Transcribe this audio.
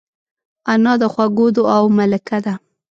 انا د خوږو دعاوو ملکه ده